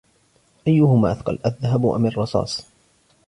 أيهما أثقل ، الذهب أم الرصاص ؟